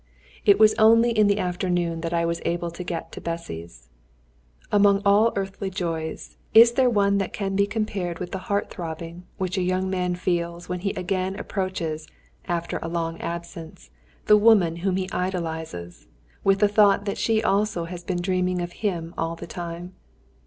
It was only in the afternoon that I was able to get to Bessy's. Among all earthly joys, is there one that can be compared with that heart throbbing which a young man feels when he again approaches, after a long absence, the woman whom he idolises, with the thought that she also has been dreaming of him all the time?